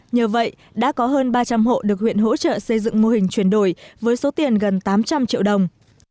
nhờ vậy đã có hơn ba trăm linh hộ được huyện hỗ trợ xây dựng mô hình chuyển đổi với số tiền gần tám trăm linh triệu đồng